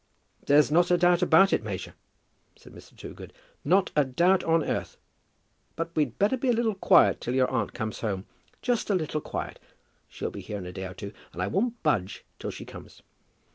"There's not a doubt about it, major," said Mr. Toogood; "not a doubt on earth. But we'd better be a little quiet till your aunt comes home, just a little quiet. She'll be here in a day or two, and I won't budge till she comes."